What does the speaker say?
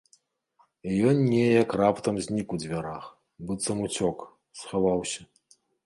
І ён неяк раптам знік у дзвярах, быццам уцёк, схаваўся.